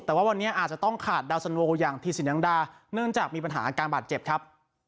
แต่ว่าวันนี้อาจจะต้องขาดดาวสันโวอย่างทีสินยังดาเนื่องจากมีปัญหาอาการบาดเจ็บครับ